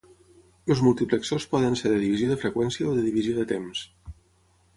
Els multiplexors poden ser de divisió de freqüència o de divisió de temps.